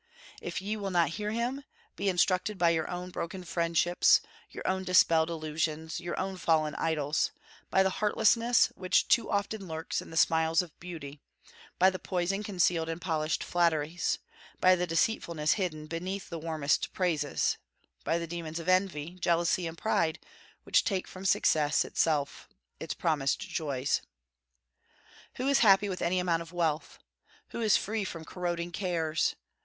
If ye will not hear him, be instructed by your own broken friendships, your own dispelled illusions, your own fallen idols; by the heartlessness which too often lurks in the smiles of beauty, by the poison concealed in polished flatteries, by the deceitfulness hidden, beneath the warmest praises, by the demons of envy, jealousy, and pride which take from success itself its promised joys. Who is happy with any amount of wealth? Who is free from corroding cares?